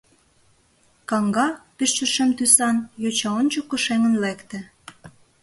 — каҥга, пеш чот шем тӱсан йоча ончыко шеҥын лекте.